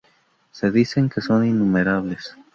Se dicen que son innumerables.